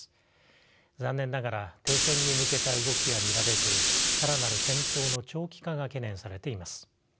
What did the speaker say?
残念ながら停戦に向けた動きは見られず更なる戦闘の長期化が懸念されています。